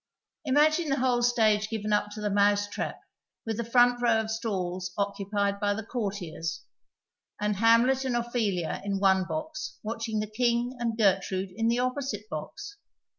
Imagine the whole stage given up to the Mouse Trap, with the front row of stalls occupied by the courtiers, and Hamlet and Ophelia in one box watching the King and Gertrude in the opposite box